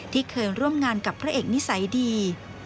ที่เคยร่วมงานกับพระเอกนิสัยดี